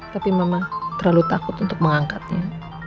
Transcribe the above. tapi mama terlalu takut untuk mengangkatnya